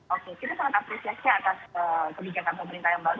oke kita sangat apresiasi atas kebijakan pemerintah yang baru